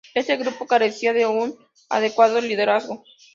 Este grupo carecía de un adecuado liderazgo.